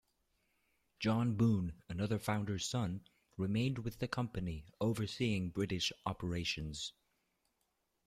John Boon, another founder's son, remained with the company, overseeing British operations.